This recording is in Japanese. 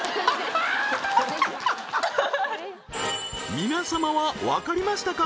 皆様はわかりましたか？